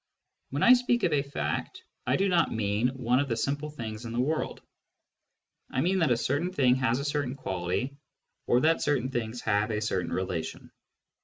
When I speak of a " fact," I do" not mean one of the simple things in the world ; I mean that a certain thing has a certain quality, or that certain , things have a certain relation.